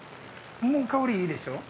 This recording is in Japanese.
もう香り、いいでしょう？